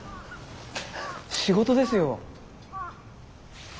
仕事ですよ。